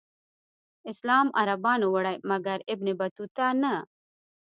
اسلام عربانو وړی مګر ابن بطوطه نه.